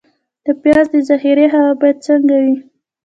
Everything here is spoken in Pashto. د پیاز د ذخیرې هوا باید څنګه وي؟